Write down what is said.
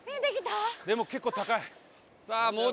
でも結構高い。